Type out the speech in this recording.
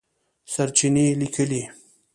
سرچېنې لیکلي